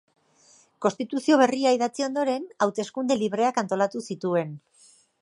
Konstituzio berria idatzi ondoren, hauteskunde libreak antolatu zituen.